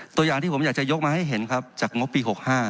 ตัวอย่างที่ผมอยากจะยกมาให้เห็นครับจากงบปี๖๕